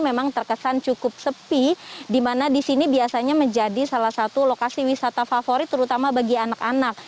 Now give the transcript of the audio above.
memang terkesan cukup sepi di mana di sini biasanya menjadi salah satu lokasi wisata favorit terutama bagi anak anak